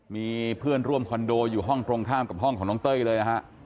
มีเพื่อนร่วมคอนโดอยู่ห้องตรงข้ามกับห้องของน้องเต้ยเลยนะฮะ